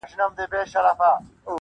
چي را لوی سم په کتاب کي مي لوستله -